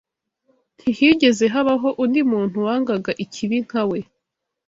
Ntihigeze habaho undi muntu wangaga ikibi nka we